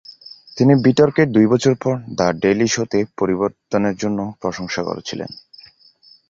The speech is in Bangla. তিনি বিতর্কের দুই বছর পরে "দ্য ডেইলি শো"তে পরিবর্তনের জন্য প্রশংসা করেছিলেন।